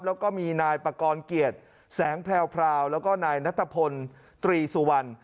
แล้วก็มีนายปากรเกียรติแสงแพรวแล้วก็นายนัทพลตรีสุวรรณ